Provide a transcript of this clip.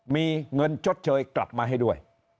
มีเงินชดเชยกลับมาให้ด้วย